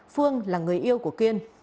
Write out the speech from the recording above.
phương là người yêu của kiên